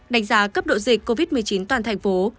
đánh giá cấp độ dịch covid một mươi chín toàn thành phố